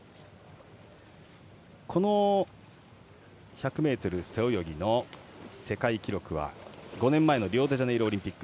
この１００ｍ背泳ぎの世界記録は５年前リオデジャネイロパラリンピック